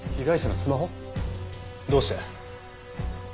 どうして？